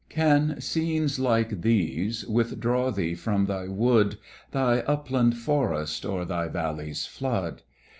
Can scenes like these withdraw thee from thy wood, Thy upland forest, or thy valley's flood?